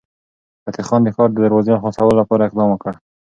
فتح خان د ښار د دروازې خلاصولو لپاره اقدام وکړ.